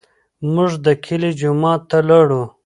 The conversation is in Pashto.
موږ د کلي جومات ته لاړو.